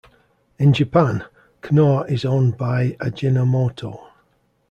In Japan, Knorr is owned by Ajinomoto.